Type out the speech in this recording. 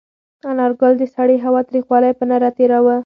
انارګل د سړې هوا تریخوالی په نره تېراوه.